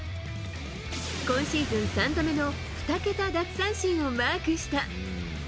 今シーズン３度目の２桁奪三振をマークした。